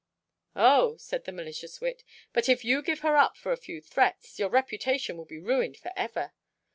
"Oh," said the malicious wit, "but if you give her up for a few threats, your reputation will be ruined for ever."